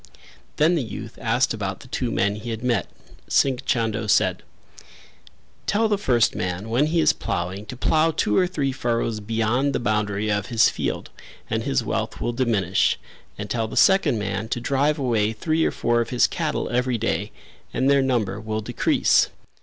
Then the youth asked about the two men he had met; Singh Chando said; "Tell the first man when he is ploughing to plough two or three furrows beyond the boundary of his field and his wealth will diminish and tell the second man to drive away three or four of his cattle every day and their number will decrease."